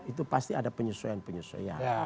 itu pasti ada penyesuaian penyesuaian